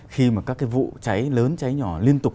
khi mà các cái vụ cháy lớn cháy nhỏ liên tục